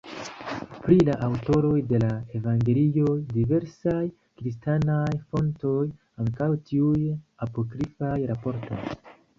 Pri la aŭtoroj de la evangelioj diversaj kristanaj fontoj, ankaŭ tiuj apokrifaj raportas.